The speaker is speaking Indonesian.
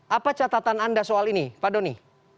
apa catatan anda soal ini pak doni